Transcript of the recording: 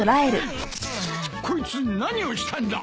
こいつ何をしたんだ？